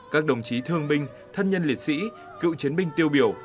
các đồng chí thương binh thân nhân liệt sĩ cựu chiến binh tiêu biểu